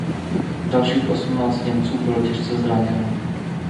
Dalších osmnáct Němců bylo těžce zraněno.